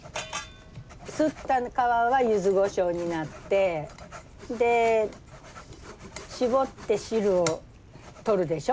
すった皮はゆずごしょうになってで搾って汁を取るでしょ。